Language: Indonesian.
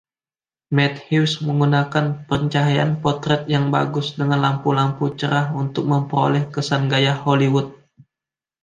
Matthews menggunakan pencahayaan potret yang bagus dengan lampu-lampu cerah untuk memperoleh kesan gaya Hollywood.